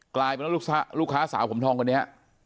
กลายเป็นว่าลูกค้าสาวผมทองคนนี้